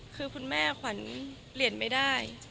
คือคุณแม่ขวัญเรียนไม่ได้